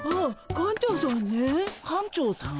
館長さん？